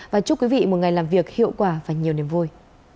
và chúc quý vị một ngày làm việc hiệu quả và nhiều niềm vui